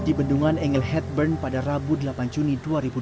di bendungan angel hetburn pada rabu delapan juni dua ribu dua puluh